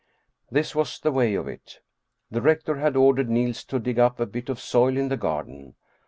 This was the way of it : The rector had ordered Niels to dig up a bit of soil in the garden.